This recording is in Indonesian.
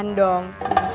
saya gak kedapetan dong